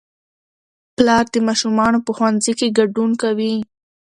پلار د ماشومانو په ښوونځي کې ګډون کوي